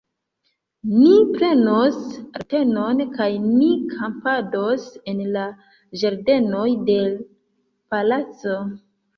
Ni prenos Atenon, kaj ni kampados en la ĝardenoj de l' Palaco!